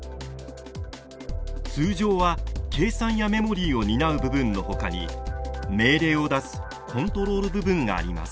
通常は計算やメモリーを担う部分のほかに命令を出すコントロール部分があります。